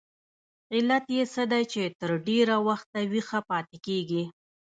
علت یې څه دی چې تر ډېره وخته ویښه پاتې کیږي؟